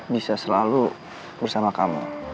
bisa selalu bersama kamu